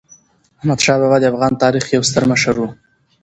احمدشاه بابا د افغان تاریخ یو ستر مشر و.